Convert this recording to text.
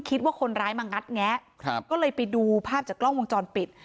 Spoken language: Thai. คิดว่าคนร้ายมางัดแงะครับก็เลยไปดูภาพจากกล้องวงจรปิด